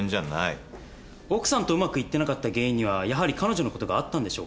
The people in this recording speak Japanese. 奥さんとうまくいってなかった原因にはやはり彼女のことがあったんでしょうか？